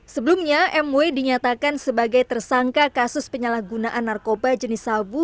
sebelumnya mw dinyatakan sebagai tersangka kasus penyalahgunaan narkoba jenis sabu